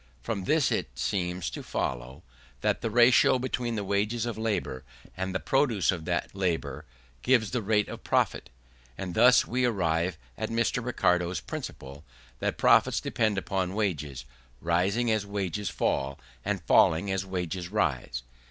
From this it seems to follow, that the ratio between the wages of labour and the produce of that labour gives the rate of profit. And thus we arrive at Mr. Ricardo's principle, that profits depend upon wages; rising as wages fall, and falling as wages rise.